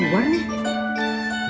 gak boleh dibuka mak